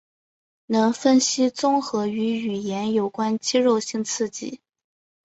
能分析综合与语言有关肌肉性刺激。